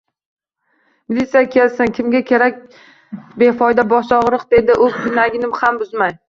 — Militsiya kelsin, kimga kerak befoyda bosh og’riq, — dedi u pinagini ham buzmay.